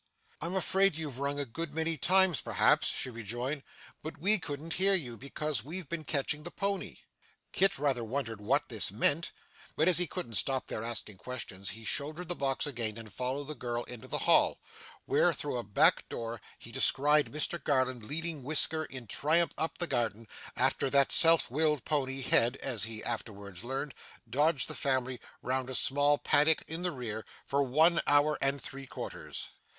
'I'm afraid you've rung a good many times perhaps,' she rejoined, 'but we couldn't hear you, because we've been catching the pony.' Kit rather wondered what this meant, but as he couldn't stop there, asking questions, he shouldered the box again and followed the girl into the hall, where through a back door he descried Mr Garland leading Whisker in triumph up the garden, after that self willed pony had (as he afterwards learned) dodged the family round a small paddock in the rear, for one hour and three quarters.